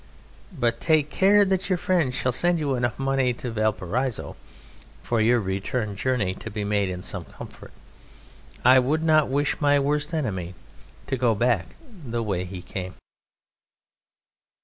But take care that your friends shall send you enough money to Valparaiso for your return journey to be made in some comfort; I would not wish my worst enemy to go back the way he came.